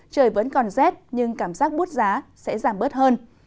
trời vẫn còn rét nhưng cảm giác bút giá sẽ giảm bớt hơn